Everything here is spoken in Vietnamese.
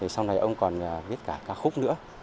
sau này ông còn viết cả ca khúc nữa